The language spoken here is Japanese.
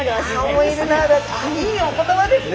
いいお言葉ですね。